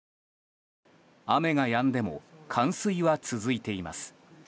雨がやんでも冠水は続いています。